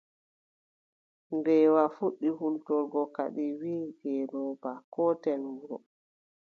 Mbeewa fuɗɗi hultorgo kadi, wiʼi ngeelooba: kooten wuro.